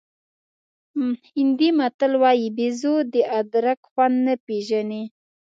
هندي متل وایي بېزو د ادرک خوند نه پېژني.